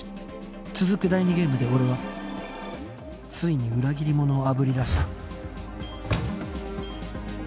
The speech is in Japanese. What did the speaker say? ゲームで俺はついに裏切り者をあぶり出した